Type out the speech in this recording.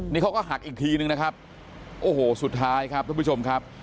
นี่เขาก็หักอีกทีนึงนะครับโอ้โหสุดท้ายครับทุกผู้ชมครับ